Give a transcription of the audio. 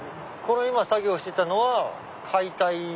今作業してたのは解体。